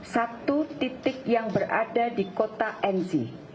satu titik yang berada di kota enzi